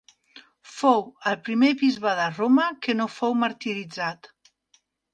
Fou el primer bisbe de Roma que no fou martiritzat.